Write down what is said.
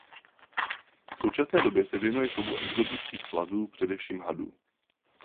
V současné době se věnuje chovu exotických plazů především hadů.